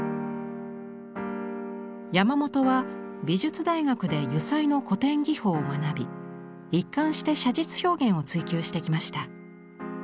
山本は美術大学で油彩の古典技法を学び一貫して写実表現を追求してきました。